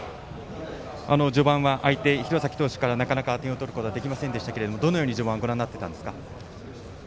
序盤は相手、廣崎投手からなかなか点を取ることができませんでしたけれどもどのように序盤はご覧になっていたんですか？